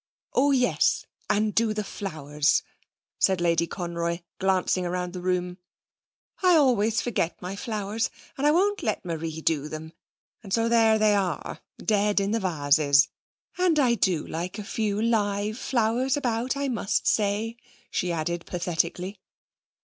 Oh yes! and do the flowers,' said Lady Conroy, glancing round the room. 'I always forget my flowers, and I won't let Marie do them, and so there they are dead in the vases! And I do like a few live flowers about, I must say,' she added pathetically.